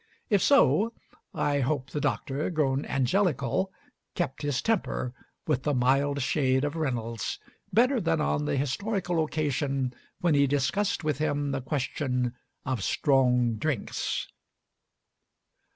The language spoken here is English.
If so, I hope the Doctor, grown "angelical," kept his temper with the mild shade of Reynolds better than on the historical occasion when he discussed with him the question of "strong drinks."